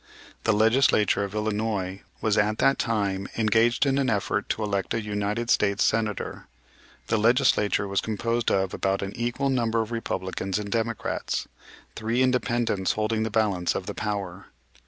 The Legislature of Illinois was at that time engaged in an effort to elect a United States Senator. The Legislature was composed of about an equal number of Republicans and Democrats, three Independents holding the balance of power.